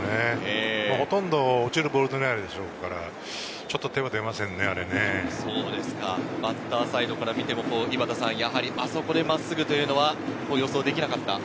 ほとんど落ちるボール狙いでしょうからちバッターサイドから見ても、あそこで真っすぐというのは予想できなかった。